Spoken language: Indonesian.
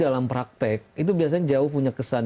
dalam praktek itu biasanya jauh punya kesan